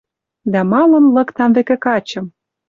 Дӓ малын лыктам вӹкӹ качым?